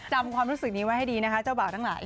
ความรู้สึกนี้ไว้ให้ดีนะคะเจ้าบ่าวทั้งหลาย